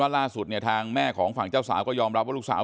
ล่าสุดเนี่ยทางแม่ของฝั่งเจ้าสาวก็ยอมรับว่าลูกสาว